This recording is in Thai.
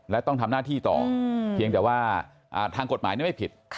และต้องทำหน้าที่ต่อเพียงแต่ว่าทางกฎหมายไม่ผิด